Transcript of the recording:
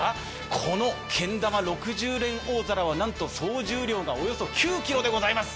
このけん玉６０連大皿はなんと総重量がおよそ９ｋｇでございます。